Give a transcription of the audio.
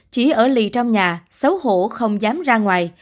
chỉ ở lì trong nhà xấu hổ không dám ra ngoài